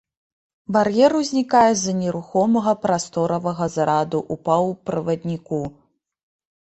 Бар'ер узнікае з-за нерухомага прасторавага зараду ў паўправадніку.